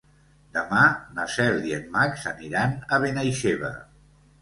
Demà na Cel i en Max aniran a Benaixeve.